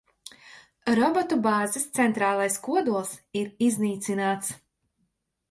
Robotu bāzes centrālais kodols ir iznīcināts.